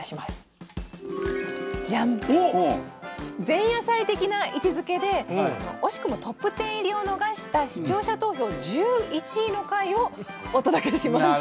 前夜祭的な位置づけで惜しくもトップ１０入りを逃した視聴者投票１１位の回をお届けします。